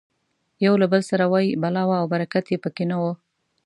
یو له بل سره وایي بلا وه او برکت یې پکې نه و.